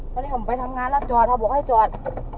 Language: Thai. พี่หัวมันไปทำงานแล้วจอดพี่หัวให้จอด